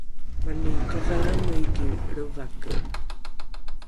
mani kadhalame iki lrevake